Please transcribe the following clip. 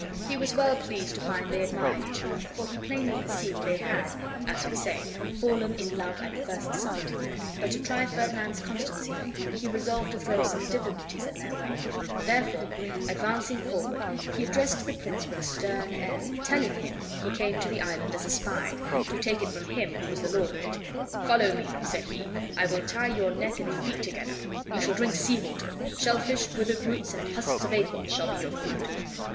He was well pleased to find they admired each other, for he plainly perceived they had (as we say) fallen in love at first sight: but to try Ferdinand's constancy, he resolved to throw some difficulties in their way: therefore, advancing forward, be addressed the prince with a stern air, telling him, he came to the island as a spy, to take it from him who was the lord of it. "Follow me," said be. "I will tie your neck and feet together. You shall drink sea water; shell fish, withered roots, and husks of acorns shall be your food."